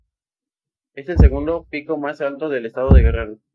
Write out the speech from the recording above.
Es el segundo pico más alto del estado de Guerrero.